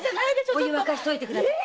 お湯沸かしといてください。